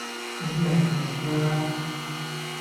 你明唔明呀